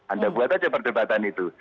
anda buat aja perdebatan itu